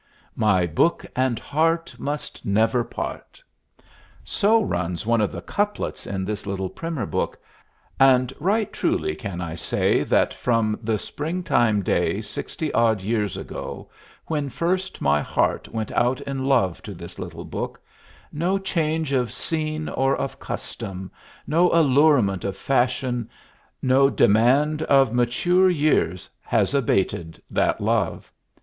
My Book and Heart Must never part. So runs one of the couplets in this little Primer book, and right truly can I say that from the springtime day sixty odd years ago, when first my heart went out in love to this little book, no change of scene or of custom no allurement of fashion, no demand of mature years, has abated that love.